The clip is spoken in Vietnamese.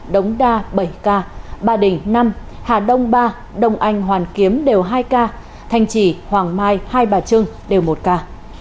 đống đa bảy ca ba đình năm hà đông ba đông anh hoàn kiếm đều hai ca thanh trì hoàng mai hai bà trưng đều một ca